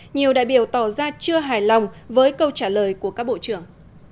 nhiều đại biểu tỏ ra chưa hài lòng với câu trả lời của các bộ trưởng